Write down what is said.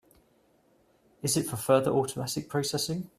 Is it for further automatic processing?